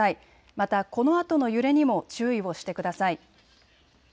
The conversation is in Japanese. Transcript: また、このあとの揺れにも注意をしてください。